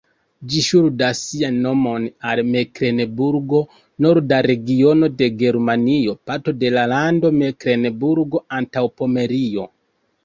Ĝi ŝuldas sian nomon al Meklenburgo, norda regiono de Germanio, parto la lando Meklenburgo-Antaŭpomerio.